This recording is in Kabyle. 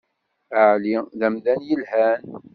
Ɛli d amdan yelhan.